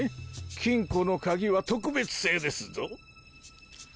金庫の鍵は特別製ですぞ。